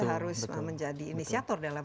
harus menjadi inisiator dalam